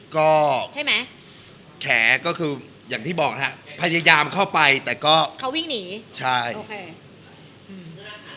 ก็ใช่ไหมแขก็คืออย่างที่บอกฮะพยายามเข้าไปแต่ก็เขาวิ่งหนีใช่โอเคอืม